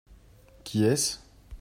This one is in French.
Qui est-ce ?